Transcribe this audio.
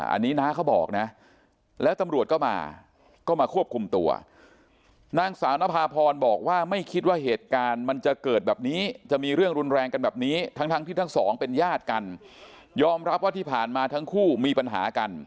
อันนี้น้าเขาบอกนะแล้วตำรวจก็มาก็มาควบคุมตัวนางสาวนภาพรบอกว่าไม่คิดว่าเหตุการณ์มันจะเกิดแบบนี้จะมีเรื่องรุนแรงกันแบบนี้ทั้งทั้งที่ทั้งสองเป็นญาติกันยอมรับว่าที่ผ่านมาทั้งคู่มีปัญหากัน